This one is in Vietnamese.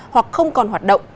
hoặc không còn hoạt động